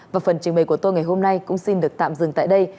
và phần trình bày của tôi ngày hôm nay cũng xin được tạm dừng tại đây